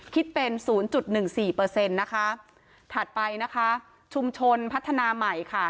คิดเป็น๐๑๔เปอร์เซ็นต์นะคะถัดไปนะคะชุมชนพัฒนาใหม่ค่ะ